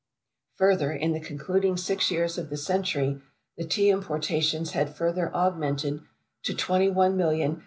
Further, in the concluding six years of the century, the Tea importations had further augmented to 21,706,718 lbs.